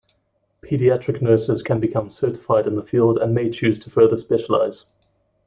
Pediatric nurses can become certified in the field and may choose to further specialize.